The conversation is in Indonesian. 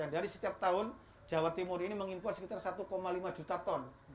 jadi setiap tahun jawa timur ini menginformasikan sekitar satu lima juta ton